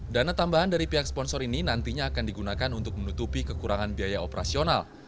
dana tambahan dari pihak sponsor ini nantinya akan digunakan untuk menutupi kekurangan biaya operasional